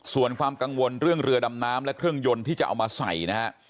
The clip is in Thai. ส่วนความกังวลเรื่องเรือดำน้ำและเครื่องยนต์ที่จะเอามาใส่นะฮะ